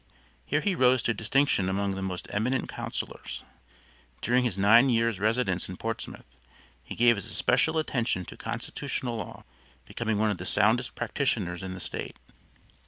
Here he rose to distinction among the most eminent counsellors. During his nine years residence in Portsmouth he gave his especial attention to constitutional law, becoming one of the soundest practitioners in the State.